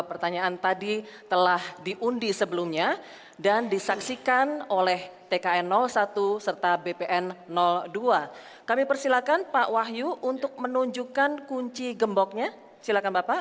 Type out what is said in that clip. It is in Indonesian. pertanyaan tadi telah diundi sebelumnya dan disaksikan oleh tkn satu serta bpn dua kami persilakan pak wahyu untuk menunjukkan kunci gemboknya silakan bapak